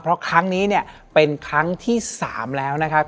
เพราะครั้งนี้เนี่ยเป็นครั้งที่๓แล้วนะครับ